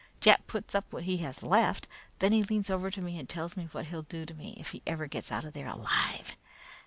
Jack puts up what he has left. Then he leans over to me and tells me what he'll do to me if he ever gets out of there alive.